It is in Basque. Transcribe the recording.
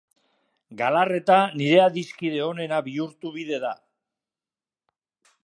Galarreta nire adiskide onena bihurtu bide da.